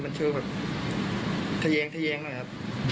มันคือแบบทะแย้งทะแย้งนะครับ